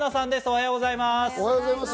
おはようございます。